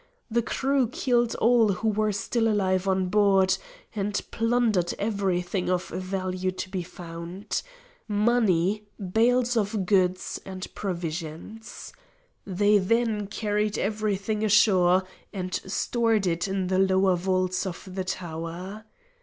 The crews killed all who were still alive on board, and plundered everything of value to be found money, bales of goods, and provisions. They then carried everything ashore and stored it in the lower vaults of the tower.